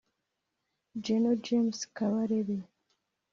Gen James Kabarebe